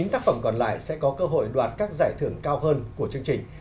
chín mươi tác phẩm còn lại sẽ có cơ hội đoạt các giải thưởng cao hơn của chương trình